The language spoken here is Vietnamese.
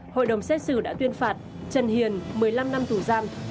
hội đồng xét xử đã tuyên phạt trần hiền một mươi năm năm tù giam